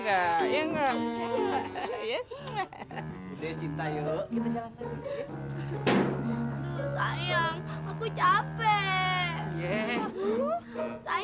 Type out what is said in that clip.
udah cinta yuk firstly